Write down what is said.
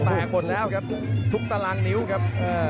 ตายขวดละครับทุกตารางนิ้วครับ